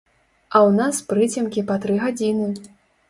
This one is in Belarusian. А ў нас прыцемкі па тры гадзіны.